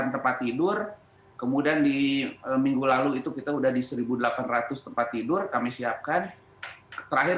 tempat tidur kemudian di minggu lalu itu kita udah di seribu delapan ratus tempat tidur kami siapkan terakhir